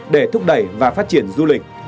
để thúc đẩy và phát triển du lịch